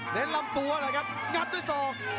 ลำตัวเลยครับงัดด้วยศอก